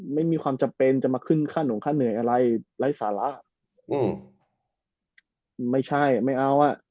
ไม่มีความจำเป็นจะมาขึ้นค่าหงค่าเหนื่อยอะไรไร้สาระอืมไม่ใช่ไม่เอาอ่ะ